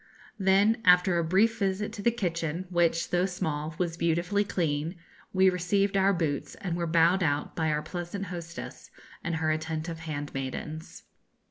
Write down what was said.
Then, after a brief visit to the kitchen, which, though small, was beautifully clean, we received our boots, and were bowed out by our pleasant hostess and her attentive handmaidens.